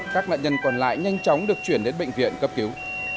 các nạn nhân còn lại nhanh chóng được chuyển đến bệnh viện cấp cứu